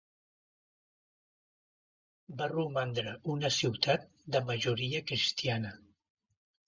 Va romandre una ciutat de majoria cristiana.